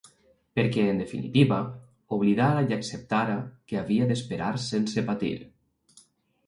Perquè, en definitiva, oblidara i acceptara que havia d'esperar sense patir.